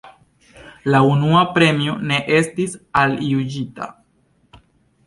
La unua premio ne estis aljuĝita.